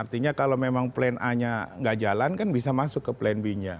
artinya kalau memang plan a nya nggak jalan kan bisa masuk ke plan b nya